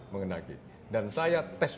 mengenai dan saya test